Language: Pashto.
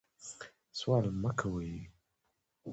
سوال مه کوئ